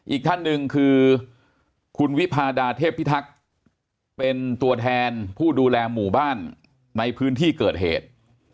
อีกท่านหนึ่งคือคุณวิพาดาเทพพิทักษ์เป็นตัวแทนผู้ดูแลหมู่บ้านในพื้นที่เกิดเหตุ